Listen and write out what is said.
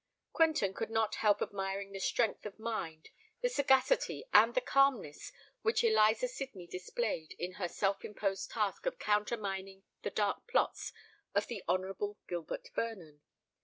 Quentin could not help admiring the strength of mind, the sagacity, and the calmness which Eliza Sydney displayed in her self imposed task of countermining the dark plots of the Honourable Gilbert Vernon.